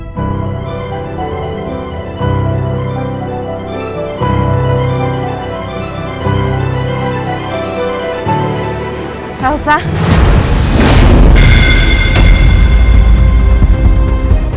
sampai jumpa di video selanjutnya